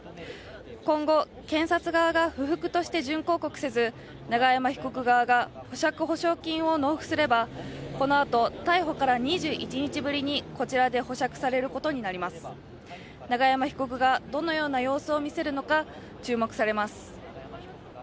今後、検察側は不服として準抗告せず永山被告側が保釈保証金を納付すれば、このあと逮捕から２１日ぶりにこちらで保釈されることになります、永山被告がどのような様子を見せるのか注目されます。